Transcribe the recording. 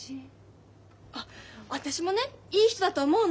あっ私もねいい人だとは思うの。